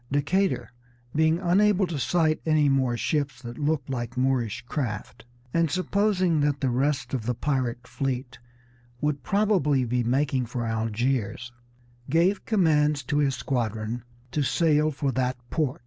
Decatur, being unable to sight any more ships that looked like Moorish craft, and supposing that the rest of the pirate fleet would probably be making for Algiers, gave commands to his squadron to sail for that port.